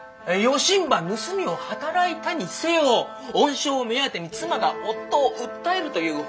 「よしんば盗みをはたらいたにせよ恩賞を目当てに妻が夫を訴えるという法はない。